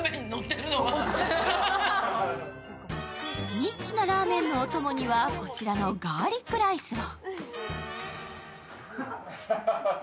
ニッチなラーメンのお供には、こちらのガーリックライスを。